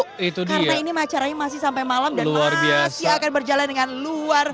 karena ini maceranya masih sampai malam dan masih akan berjalan dengan luar biasa